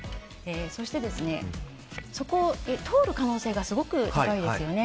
そして、そこを通る可能性がすごく高いですね。